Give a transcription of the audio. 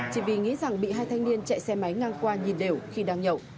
chỉ vì nghĩ rằng bị hai thanh niên chạy xe máy ngang qua nhìn đều khi đang nhậu